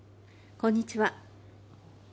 こんにちは。